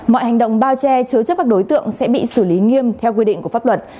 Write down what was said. mọi hành động bao che chứa chấp các đối tượng sẽ bị xử lý nghiêm theo quy định của pháp luật